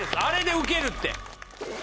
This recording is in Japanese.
あれでウケるって。